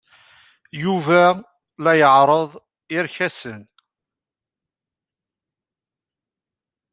Yuba la iɛerreḍ irkasen.